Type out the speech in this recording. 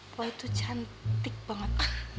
pak itu cantik banget